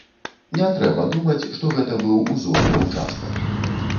Не трэба думаць, што гэта быў узорны ўчастак.